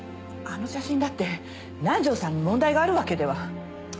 あの写真だって南条さんに問題があるわけでは。